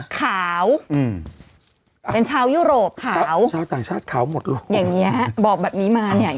ขาวอืมอ่าเป็นชาวยุโรปค่ะขาวชาวต่างชาติขาวหมดหรออย่างเงี้ยบอกแบบนี้มาเนี้ย